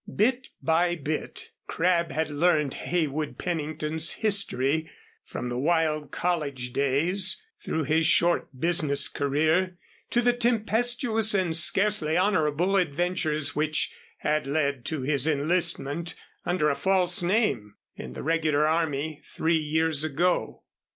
Bit by bit Crabb had learned Heywood Pennington's history, from the wild college days, through his short business career to the tempestuous and scarcely honorable adventures which had led to his enlistment under a false name in the regular army three years ago.